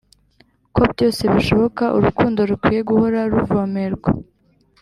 ko byose bishoboka, urukundo rukwiye guhora ruvomerwa.